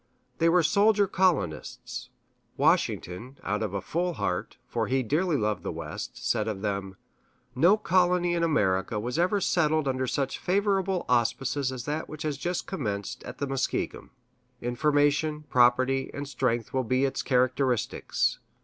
They were soldier colonists. Washington, out of a full heart, for he dearly loved the West, said of them: "No colony in America was ever settled under such favorable auspices as that which has just commenced at the Muskingum. Information, property, and strength will be its characteristics.